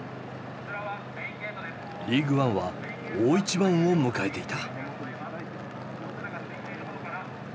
リーグワンは大一番を迎えていた。